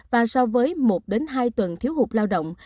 và so với một hai tuần thiếu hụt lao động